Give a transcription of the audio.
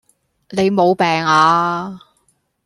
你無病呀?